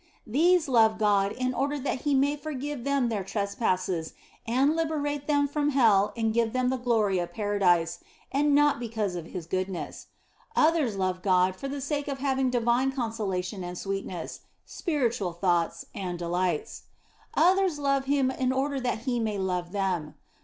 These love God in order that He may forgive them their trespasses and liberate them from hell and give them the glory of Paradise, and not because of His goodness. Others love God for the sake of having divine consolation and sweetness, spiritual thoughts, and delights. Others 120 THE BLESSED ANGELA love Him in order that He may love them.